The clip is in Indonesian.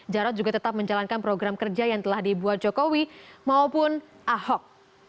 jarod juga tetap menjalankan program kerja yang telah dibuat jokowi maupun ahok